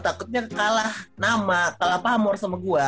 takutnya kalah nama kalah pamor sama gue